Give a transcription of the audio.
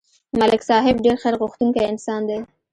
ملک صاحب ډېر خیرغوښتونکی انسان دی